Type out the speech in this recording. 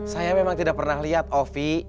saya memang tidak pernah lihat ovi